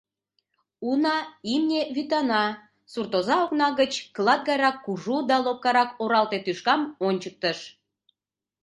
Уна, имне вӱтана, — суртоза окна гыч клат гайрак кужу да лопкарак оралте тӱшкам ончыктыш.